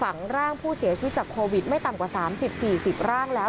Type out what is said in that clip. ฝังร่างผู้เสียชีวิตจากโควิดไม่ต่ำกว่า๓๐๔๐ร่างแล้ว